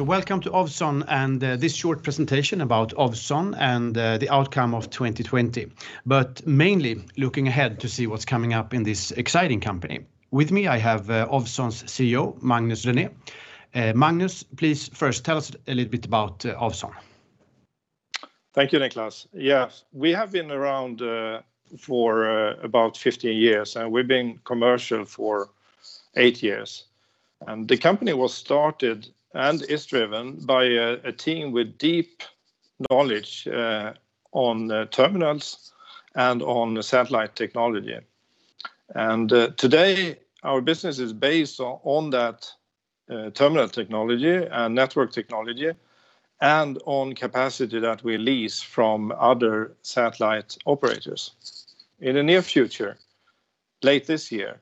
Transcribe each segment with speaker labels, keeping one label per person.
Speaker 1: Welcome to Ovzon and this short presentation about Ovzon and the outcome of 2020. Mainly looking ahead to see what's coming up in this exciting company. With me, I have Ovzon's CEO, Magnus René. Magnus, please first tell us a little bit about Ovzon.
Speaker 2: Thank you, Niklas. Yes, we have been around for about 15 years, and we've been commercial for eight years. The company was started and is driven by a team with deep knowledge on terminals and on satellite technology. Today our business is based on that terminal technology and network technology and on capacity that we lease from other satellite operators. In the near future, late this year,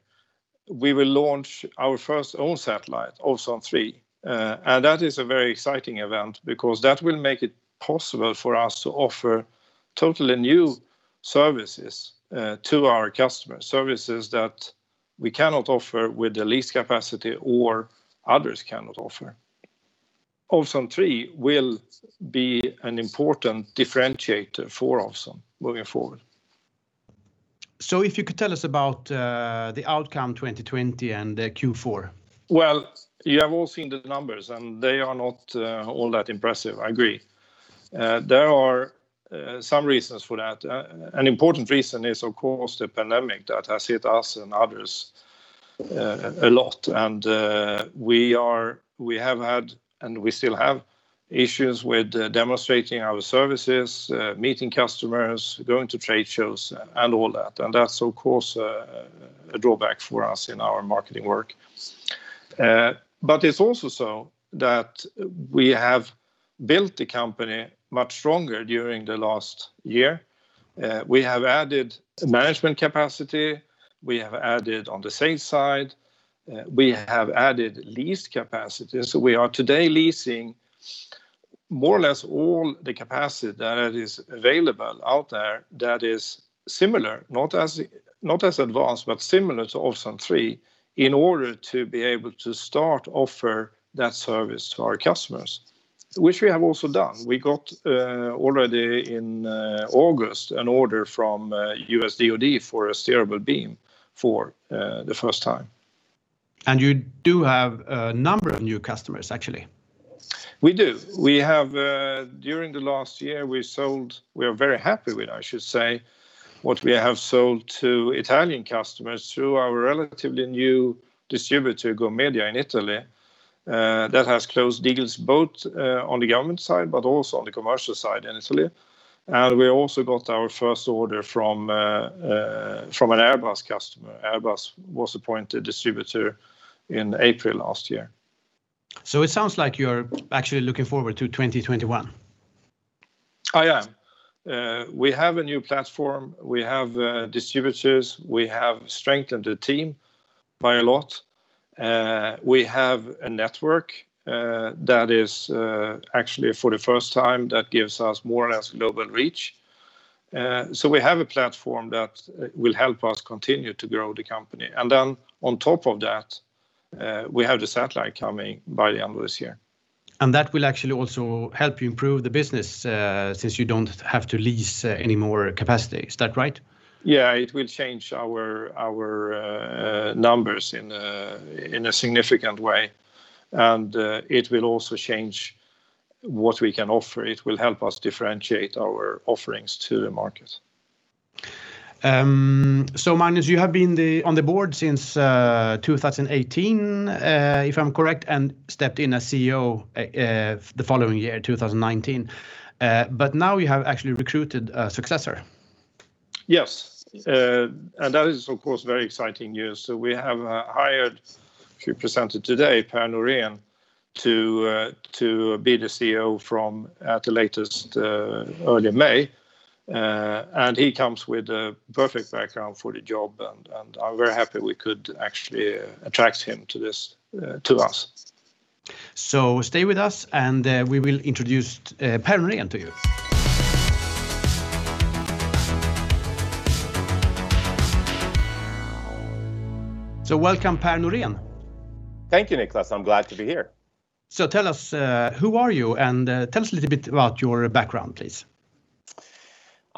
Speaker 2: we will launch our first own satellite, Ovzon 3. That is a very exciting event because that will make it possible for us to offer totally new services to our customers, services that we cannot offer with the leased capacity or others cannot offer. Ovzon 3 will be an important differentiator for Ovzon moving forward.
Speaker 1: If you could tell us about the outcome 2020 and Q4.
Speaker 2: Well, you have all seen the numbers, and they are not all that impressive, I agree. There are some reasons for that. An important reason is, of course, the pandemic that has hit us and others a lot, and we have had, and we still have, issues with demonstrating our services, meeting customers, going to trade shows and all that. That's of course, a drawback for us in our marketing work. It's also so that we have built the company much stronger during the last year. We have added management capacity. We have added on the sales side. We have added lease capacity. We are today leasing more or less all the capacity that is available out there that is similar, not as advanced, but similar to Ovzon 3, in order to be able to start offer that service to our customers, which we have also done. We got, already in August, an order from U.S. DoD for a steerable beam for the first time.
Speaker 1: You do have a number of new customers, actually.
Speaker 2: We do. During the last year, we are very happy with, I should say, what we have sold to Italian customers through our relatively new distributor, Gomedia, in Italy, that has closed deals both on the government side but also on the commercial side in Italy. We also got our first order from an Airbus customer. Airbus was appointed distributor in April last year.
Speaker 1: It sounds like you're actually looking forward to 2021?
Speaker 2: I am. We have a new platform. We have distributors. We have strengthened the team by a lot. We have a network that is actually, for the first time, that gives us more or less global reach. We have a platform that will help us continue to grow the company. On top of that, we have the satellite coming by the end of this year.
Speaker 1: That will actually also help you improve the business, since you don't have to lease any more capacity. Is that right?
Speaker 2: Yeah, it will change our numbers in a significant way, and it will also change what we can offer. It will help us differentiate our offerings to the market.
Speaker 1: Magnus, you have been on the board since 2018, if I'm correct, and stepped in as CEO the following year, 2019. Now you have actually recruited a successor.
Speaker 2: Yes. That is, of course, very exciting news. We have hired, as we presented today, Per Norén, to be the CEO from, at the latest, early May. He comes with a perfect background for the job, and I'm very happy we could actually attract him to us.
Speaker 1: Stay with us and we will introduce Per Norén to you. Welcome, Per Norén.
Speaker 3: Thank you, Niklas. I'm glad to be here.
Speaker 1: Tell us, who are you and tell us a little bit about your background, please.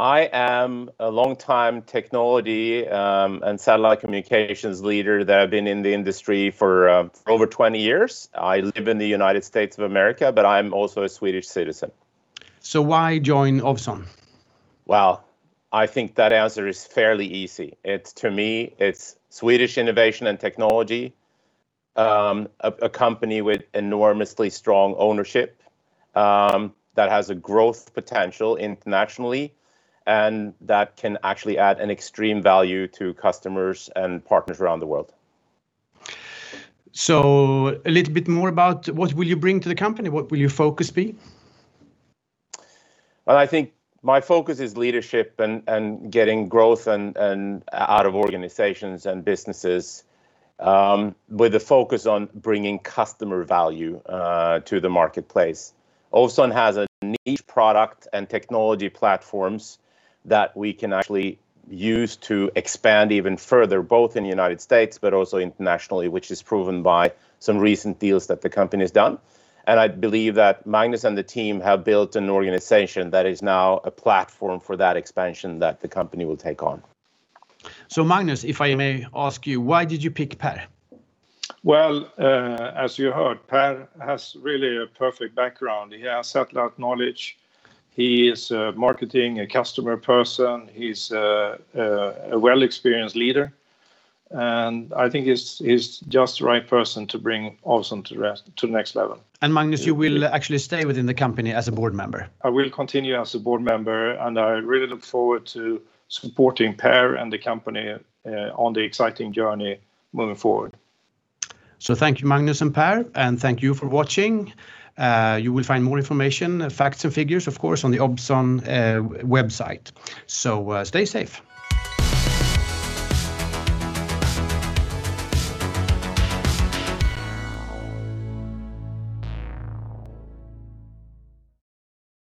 Speaker 3: I am a longtime technology and satellite communications leader that have been in the industry for over 20 years. I live in the United States of America, but I'm also a Swedish citizen.
Speaker 1: Why join Ovzon?
Speaker 3: Well, I think that answer is fairly easy. To me, it's Swedish innovation and technology, a company with enormously strong ownership, that has a growth potential internationally, and that can actually add an extreme value to customers and partners around the world.
Speaker 1: A little bit more about what will you bring to the company. What will your focus be?
Speaker 3: Well, I think my focus is leadership and getting growth and out of organizations and businesses, with a focus on bringing customer value to the marketplace. Ovzon has a niche product and technology platforms that we can actually use to expand even further, both in the U.S. but also internationally, which is proven by some recent deals that the company's done. I believe that Magnus and the team have built an organization that is now a platform for that expansion that the company will take on.
Speaker 1: Magnus, if I may ask you, why did you pick Per?
Speaker 2: Well, as you heard, Per has really a perfect background. He has satellite knowledge. He is marketing a customer person. He's a well-experienced leader, and I think he's just the right person to bring Ovzon to the next level.
Speaker 1: Magnus, you will actually stay within the company as a board member?
Speaker 2: I will continue as a board member, and I really look forward to supporting Per and the company on the exciting journey moving forward.
Speaker 1: Thank you, Magnus and Per, and thank you for watching. You will find more information, facts, and figures, of course, on the Ovzon website. Stay safe.